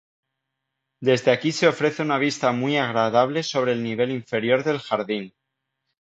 Desde aquí se ofrece una vista muy agradable sobre el nivel inferior del jardín.